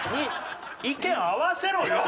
意見合わせろよ！